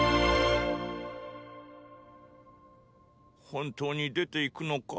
本当に出て行くのか？